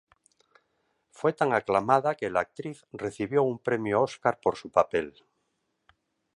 Fue tan aclamada que la actriz recibió un Premio Óscar por su papel.